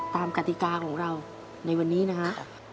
กติกาของเราในวันนี้นะฮะ